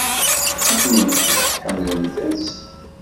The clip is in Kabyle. I kennemti, tḥemmlemt-tt?